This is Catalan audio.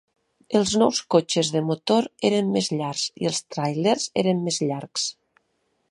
Els nous cotxes de motor eren més llargs i els tràilers eren més llargs.